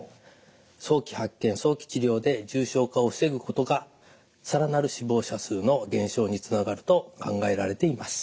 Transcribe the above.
早期発見早期治療で重症化を防ぐことが更なる死亡者数の減少につながると考えられています。